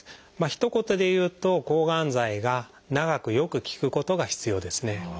ひと言で言うと抗がん剤が長くよく効くことが必要ですね。